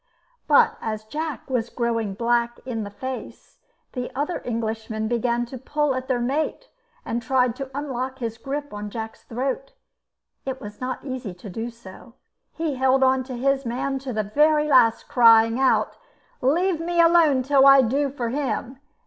But as Jack was growing black in the face, the other Englishmen began to pull at their mate, and tried to unlock his grip on Jack's throat. It was not easy to do so. He held on to his man to the very last, crying out: "Leave me alone till I do for him.